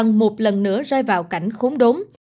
bằng một lần nữa rơi vào cảnh khốn đốm